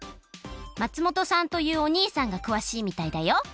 松本さんというおにいさんがくわしいみたいだよ。